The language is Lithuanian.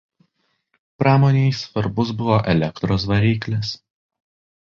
Pramonei svarbus buvo elektros variklis.